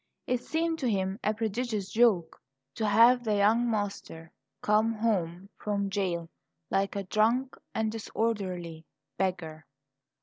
It seemed to him a prodigious joke to have the young master come home from jail like a "drunk and disorderly" beggar.